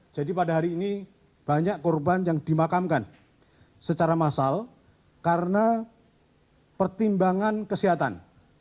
jadi pada hari ini banyak korban yang dimakamkan secara masal karena pertimbangan kesehatan